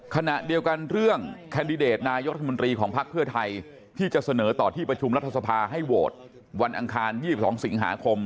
ขณะเดียวกันเรื่องแคนดิเดตนายกรัฐมนตรีของภักดิ์เพื่อไทยที่จะเสนอต่อที่ประชุมรัฐสภาให้โหวตวันอังคาร๒๒สิงหาคม